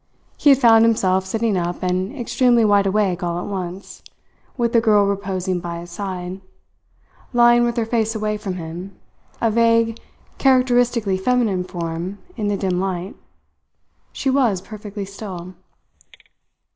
He had found himself sitting up and extremely wide awake all at once, with the girl reposing by his side, lying with her face away from him, a vague, characteristically feminine form in the dim light. She was perfectly still.